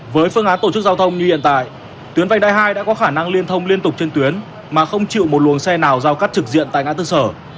với phương án tổ chức giao thông như hiện tại tuyến vành đai hai đã có khả năng liên thông liên tục trên tuyến mà không chịu một luồng xe nào giao cắt trực diện tại ngã tư sở